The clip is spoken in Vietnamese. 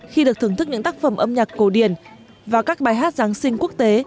khi được thưởng thức những tác phẩm âm nhạc cổ điển và các bài hát giáng sinh quốc tế